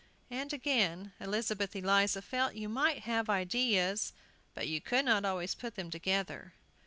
And again: Elizabeth Eliza felt you might have ideas, but you could not always put them together.